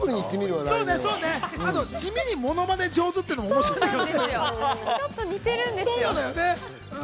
でも地味にものまね上手っていうのも面白いんですよね。